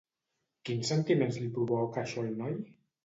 Quins sentiments li provoca això al noi?